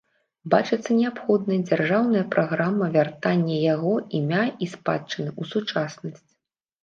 Бачыцца неабходнай дзяржаўная праграма вяртання яго імя і спадчыны ў сучаснасць.